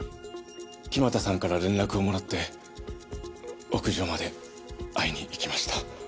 木俣さんから連絡をもらって屋上まで会いに行きました。